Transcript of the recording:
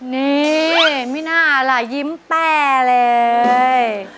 นี่ไม่น่าล่ะยิ้มแป้เลย